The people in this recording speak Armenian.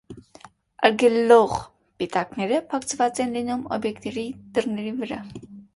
Արգելող պիտակները փակցված են լինում օբյեկտների դռների վրա։